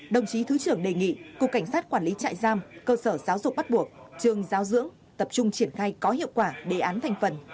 đồng chí thứ trưởng đề nghị cục cảnh sát quản lý trại giam cơ sở giáo dục bắt buộc trường giáo dưỡng tập trung triển khai có hiệu quả đề án thành phần